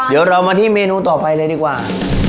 เดี๋ยวเรามาที่เมนูต่อไปเลยดีกว่า